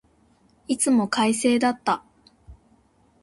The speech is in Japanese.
いつも快晴だった。